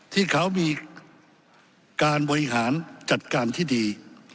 ที่เขามีการบริหารจัดการที่ดี